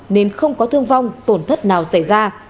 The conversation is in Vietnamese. nên không có thương vong tổn thất nào xảy ra